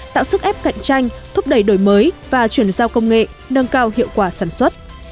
tạo sức ép cạnh tranh thúc đẩy đổi mới và chuyển giao công nghệ nâng cao hiệu quả sản xuất